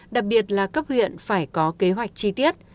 đặc biệt là cấp huyện phải có kế hoạch chi tiết